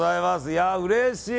いや、うれしい！